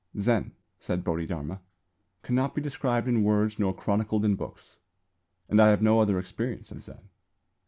"Zen," said Bodhidharma, "cannot be described in words nor chronicled in books"; and I have no other experience of Zen.